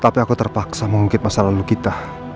tapi aku terpaksa mengungkit masa lalu kita